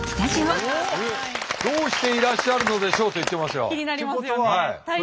「どうしていらっしゃるのでしょう？」と言ってますが。